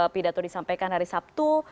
pidato disampaikan hari sabtu